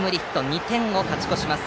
２点を勝ち越します。